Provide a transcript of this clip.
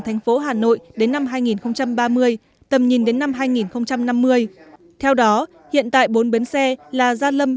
thành phố hà nội đến năm hai nghìn ba mươi tầm nhìn đến năm hai nghìn năm mươi theo đó hiện tại bốn bến xe là gia lâm